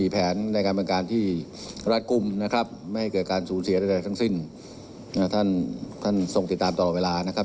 จากท่านราชมาอีกครั้งหนึ่งด้วยนะครับ